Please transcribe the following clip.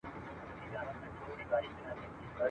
موږ بايد خپلو ماشومانو ته له وړوکتوبه د کتاب مينه ور زده کړو !.